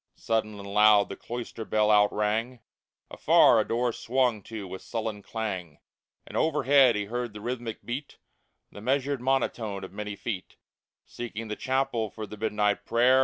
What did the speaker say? Sudden and loud the cloister bell outrang ; Afar a door swung to with sullen clang ; And overhead he heard the rhythmic beat, The measured monotone of many feet Seeking the chapel for the midnight prayer.